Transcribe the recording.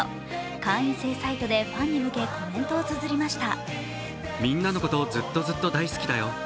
会員制サイトでファンに向けコメントをつづりました。